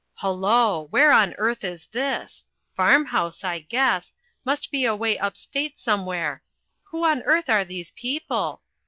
Hullo! where on earth is this farmhouse, I guess must be away upstate somewhere who on earth are these people?